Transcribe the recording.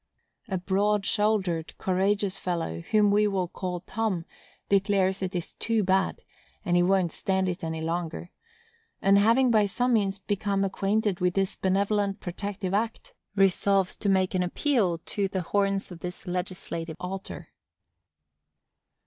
A broad shouldered, courageous fellow, whom we will call Tom, declares it is too bad, and he won't stand it any longer; and, having by some means become acquainted with this benevolent protective act, resolves to make an appeal to the horns of this legislative altar.